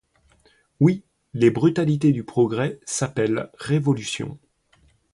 Oui, les brutalités du progrès s'appellent révolutions.